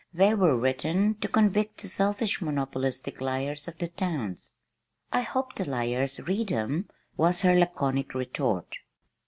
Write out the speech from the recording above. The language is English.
"They were written to convict the selfish monopolistic liars of the towns." "I hope the liars read 'em," was her laconic retort.